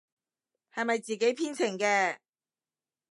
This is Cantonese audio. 係咪自己編程嘅？